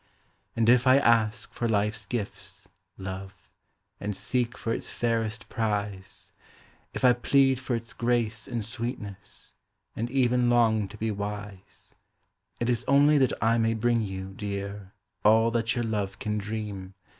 84 A WOMAN'S LETTER. And if I ask for life's gifts, love, and seek for its fairest prize, If I plead for its grace and sweetness, and even long to be wise, It is only that I may bring you, dear, all that your love can dream.